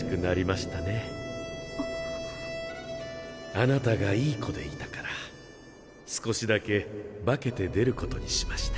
あなたがいい子でいたから少しだけ化けて出ることにしました。